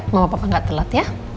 mama papa nggak telat ya